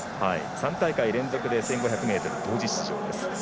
３大会連続で１５００ｍ同時出場です。